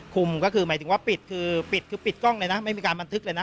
ก็คือหมายถึงว่าปิดคือปิดคือปิดกล้องเลยนะไม่มีการบันทึกเลยนะ